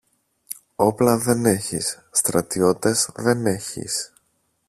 Όπλα δεν έχεις, στρατιώτες δεν έχεις.